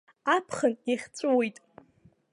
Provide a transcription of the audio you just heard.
Аԥхын иахьҵәыуеит.